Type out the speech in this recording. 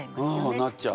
うんなっちゃう。